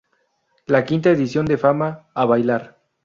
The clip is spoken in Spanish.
La quinta edición de "Fama, ¡a bailar!